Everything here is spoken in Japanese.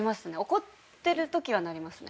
怒ってるときはなりますね。